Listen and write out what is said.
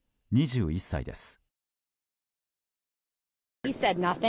２１歳です。